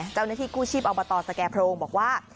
เจ้านัทีกู้ชีพอบตสแก่พระองค์บอกว่า